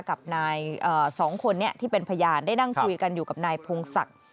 กับนายสองคนนี้ที่เป็นพยานได้นั่งคุยกันอยู่กับนายพงศักดิ์